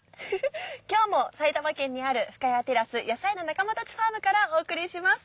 今日も埼玉県にある深谷テラスヤサイな仲間たちファームからお送りします。